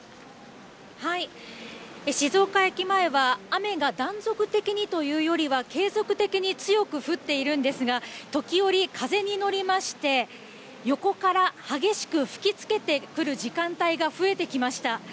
静岡駅前は、雨が断続的にというよりは、継続的に強く降っているんですが、時折、風に乗りまして、横から激しく吹きつけてくる時間帯が増えてきました。